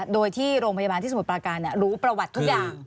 โดยที่โรงพยาบาลที่สมุทรปราการรู้ประวัติทุกอย่าง